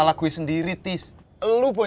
yang aja yang berlebihan